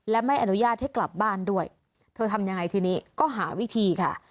และไม่อนุญาตให้กลับบ้านด้วยเธอทำยังไงทีนี้ก็หาวิธีค่ะ